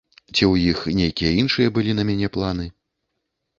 Ці ў іх нейкія іншыя былі на мяне планы.